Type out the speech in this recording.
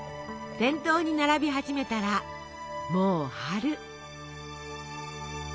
店頭に並び始めたらもう春。